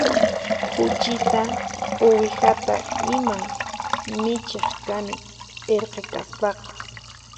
Khuchita uwihata iman ichiq kani irqi kaspaqa